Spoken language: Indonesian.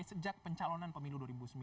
sejak pencalonan pemilu dua ribu sembilan belas